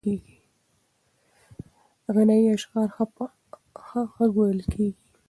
غنایي اشعار په ښه غږ ویل کېږي.